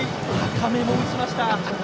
高めを打ちました。